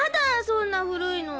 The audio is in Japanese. そんな古いの。